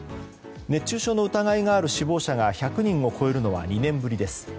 熱中症の疑いがある死亡者が１００人を超えるのは２年ぶりです。